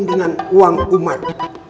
dengan uang umat